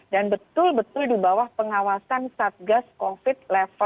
dan betul betul di bawah pengawasan satgas covid sembilan belas